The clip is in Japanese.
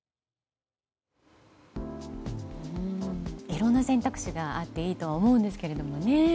いろんな選択肢があっていいとは思うんですけどね。